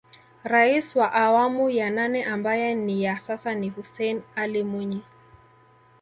Rais wa awamu ya nane ambaye ni ya sasa ni Hussein Ally Mwinyi